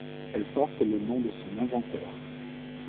Elle porte le nom de son inventeur.